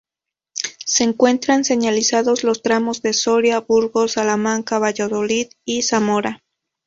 Se encuentran señalizados los tramos de Soria, Burgos, Salamanca, Valladolid y Zamora.